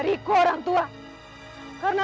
dan yang akan dilakukannya